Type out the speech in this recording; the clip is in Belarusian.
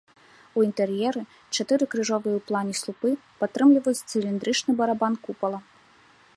У інтэр'еры чатыры крыжовыя ў плане слупы падтрымліваюць цыліндрычны барабан купала.